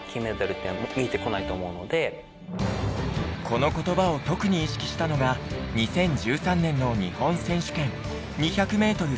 この言葉を特に意識したのが２０１３年の日本選手権２００メートル背泳ぎ。